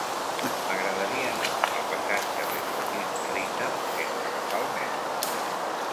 M'agradaria anar al passatge de Joaquim Rita sense agafar el metro.